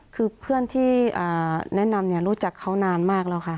คือเพื่อนที่แนะนำรู้จักเขานานมากแล้วค่ะ